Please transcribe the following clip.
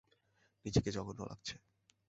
নিজেকে জঘন্য লাগছে।